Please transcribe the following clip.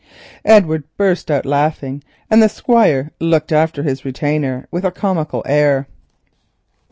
Edward burst out laughing, and the Squire looked after his retainer with a comical air.